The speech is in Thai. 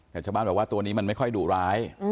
แต่ชาวบ้านบอกว่าตัวนี้มันไม่ค่อยดุร้าย